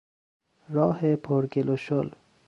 راه پر گل و شل